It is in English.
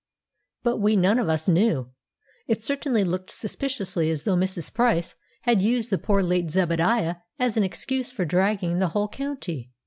But we none of us knew. It certainly looked suspiciously as though Mrs. Price had used the poor late Zebadiah as an excuse for dragging the whole county!